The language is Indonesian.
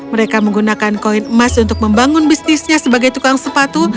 mereka menggunakan koin emas untuk membangun bisnisnya sebagai tukang sepatu